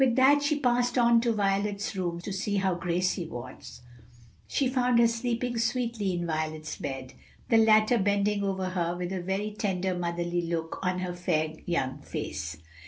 With that she passed on into Violet's rooms to see how Gracie was. She found her sleeping sweetly in Violet's bed, the latter bending over her with a very tender, motherly look on her fair young face.